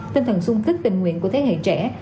tinh thần sung thức tình nguyện của thế hệ trẻ